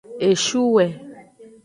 Eshuwe.